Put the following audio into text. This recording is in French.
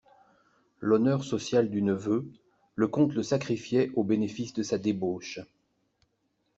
L'honneur social du neveu, le comte le sacrifiait au bénéfice de sa débauche.